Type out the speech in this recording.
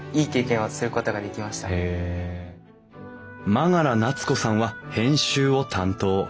真柄奈津子さんは編集を担当。